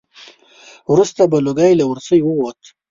وروسته به لوګی له ورسی ووت.